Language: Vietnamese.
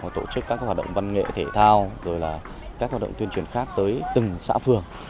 tổ chức các hoạt động văn nghệ thể thao rồi là các hoạt động tuyên truyền khác tới từng xã phường